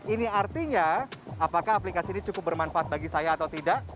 ini artinya apakah aplikasi ini cukup bermanfaat bagi saya atau tidak